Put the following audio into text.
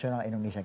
itu hal yang besar